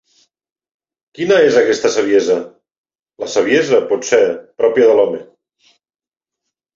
Quina és aquesta saviesa? La saviesa, potser, pròpia de l'home.